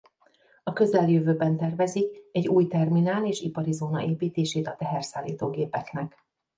A közeljövőben tervezik egy új terminál és ipari zóna építését a teherszállító gépeknek.